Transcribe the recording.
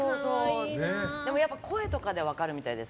でもやっぱり声とかで分かるみたいです。